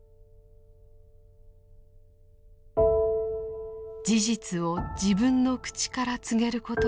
事実を自分の口から告げることになるのか。